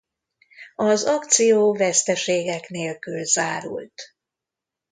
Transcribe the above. Az akció veszteségek nélkül zárult.